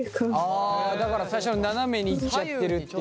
あだから最初斜めに行っちゃってるっていうのがね。